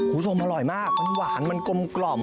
อู๋ส้มอร่อยมากมันหวานมันกลมกล่อม